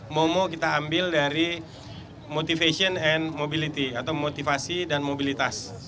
momo kita ambil dari motivation and mobility atau motivasi dan mobilitas